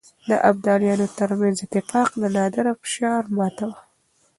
د ابدالیانو ترمنځ اتفاق د نادرافشار ماته وه.